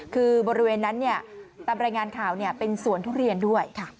คือบริเวณนั้นตามรายงานข่าวเป็นสวนทุเรียนด้วย